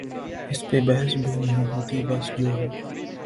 اس پہ بحث بھی نہیں ہوتی بس جو ہے۔